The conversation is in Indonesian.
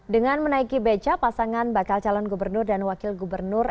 dengan menaiki beca pasangan bakal calon gubernur dan wakil gubernur